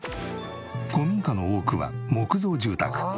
古民家の多くは木造住宅。